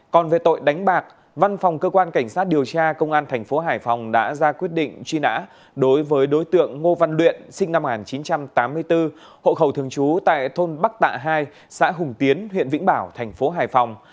còn về tội đánh bạc văn phòng cơ quan cảnh sát điều tra công an thành phố hải phòng đã ra quyết định truy nã đối với đối tượng ngô văn luyện sinh năm một nghìn chín trăm tám mươi bốn hộ khẩu thường trú tại thôn bắc tạ hai xã hùng tiến huyện vĩnh bảo thành phố hải phòng